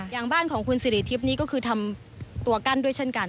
อย่างบ้านของคุณสิริทิพย์นี้ก็คือทำตัวกั้นด้วยเช่นกัน